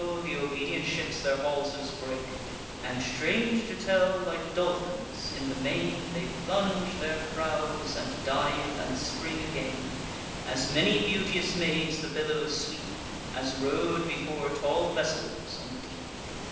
th' obedient ships their haulsers break; And, strange to tell, like dolphins, in the main They plunge their prows, and dive, and spring again: As many beauteous maids the billows sweep, As rode before tall vessels on the deep.